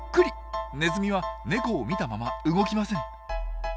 ネズミはネコを見たまま動きません。